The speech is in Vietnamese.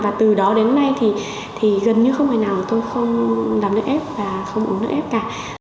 và từ đó đến nay thì gần như không ngày nào tôi không làm nước ép và không uống nước ép cả